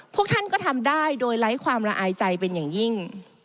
พวกท่านก็ทำได้โดยไร้ความละอายใจเป็นอย่างยิ่ง